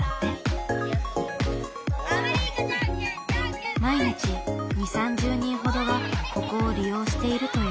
毎日２０３０人ほどがここを利用しているという。